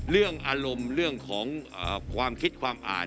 เรื่องอารมณ์เรื่องของความคิดความอ่าน